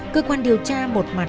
cơ quan điều tra một mặt